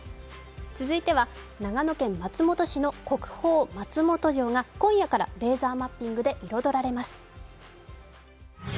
続いては長野県松本市の国宝松本城が今夜からレーザーマッピングで彩られます。